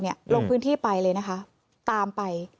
ลงพื้นที่ไปเลยนะคะตามไป